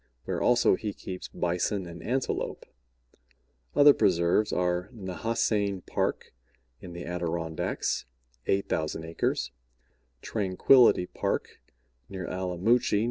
where also he keeps Bison and Antelope. Other preserves are Nehasane Park, in the Adirondacks, 8,000 acres; Tranquillity Park, near Allamuchy, N.